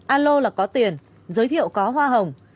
alo là có tiền giới thiệu có hoa hồng